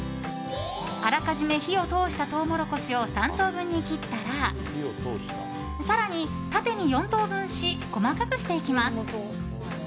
あらかじめ火を通したトウモロコシを３等分に切ったら更に縦に４等分し細かくしていきます。